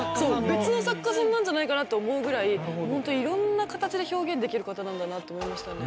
別の作家さんなんじゃないかなと思うぐらいほんといろんな形で表現できる方なんだなと思いましたね。